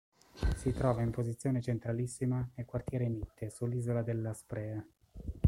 Si trova in posizione centralissima nel quartiere Mitte, sull'isola della Sprea.